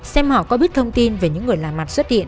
xem họ có biết thông tin về những người làm mặt xuất hiện